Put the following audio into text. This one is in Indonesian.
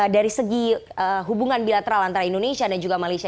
dari segi hubungan bilateral antara indonesia dan juga malaysia